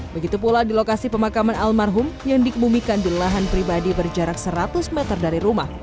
begitu pula di lokasi pemakaman almarhum yang dikebumikan di lahan pribadi berjarak seratus meter dari rumah